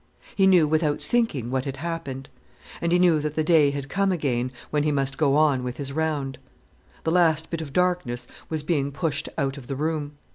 He knew, without thinking, what had happened. And he knew that the day had come again, when he must go on with his round. The last bit of darkness was being pushed out of the room.